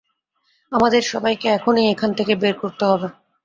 আমাদের সবাইকে এখনই এখান থেকে বের করতে হবে।